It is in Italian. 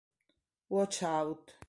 Watch Out